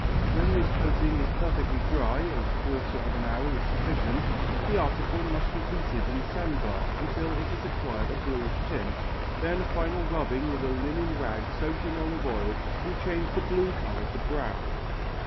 When this coating is perfectly dry a quarter of an hour is sufficient the article must be heated in the sand bath until it has acquired a bluish tint, and a final rubbing with a linen rag soaked in olive oil will change the blue colour to brown.